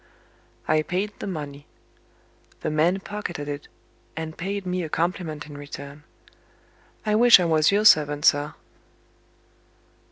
I paid the money. The man pocketed it, and paid me a compliment in return: "I wish I was your servant, sir."